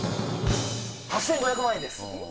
８５００万円です。